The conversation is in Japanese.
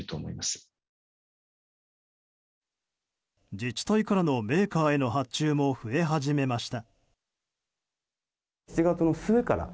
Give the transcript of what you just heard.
自治体からのメーカーへの発注も増え始めました。